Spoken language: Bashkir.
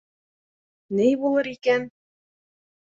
Ни булыр икән?